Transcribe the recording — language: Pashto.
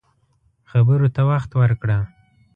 خبرو ته وخت ورکړه